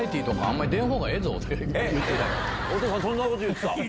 お父さんそんなこと言ってた？